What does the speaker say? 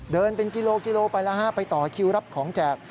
เดินเป็นกิโลไปละ๕ไปต่อคิวรับของแจก